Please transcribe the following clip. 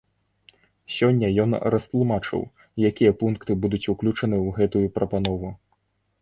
Сёння ён растлумачыў, якія пункты будуць уключаны ў гэтую прапанову.